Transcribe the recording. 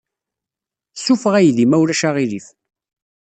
Ssuffeɣ aydi, ma ulac aɣilif.